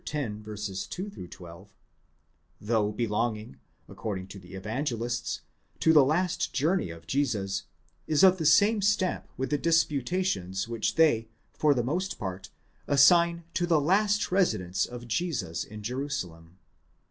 2 12), though belonging, according to the Evangelists, to the last journey of Jesus, is of the same stamp with the disputations which they, for the most part, assign to the last residence of Jesus in Jerusalem.